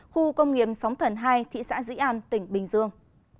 khu công nghiệm sống thần hai thị xã dĩ an tỉnh bình dương